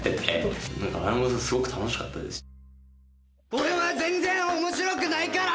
俺は全然面白くないから！